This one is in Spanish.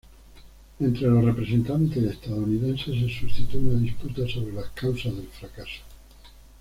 Entre los representantes estadounidenses se suscitó una disputa sobre las causas del fracaso.